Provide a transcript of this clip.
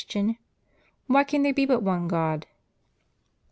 Why can there be but one God?